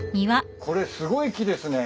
これすごい木ですね。